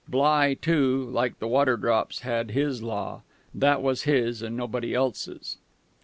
Bligh, too, like the waterdrops, had his Law, that was his and nobody else's....